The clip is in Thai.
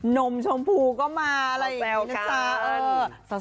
นมชมพูก็มาอะไรอย่างนี้นะจ๊ะ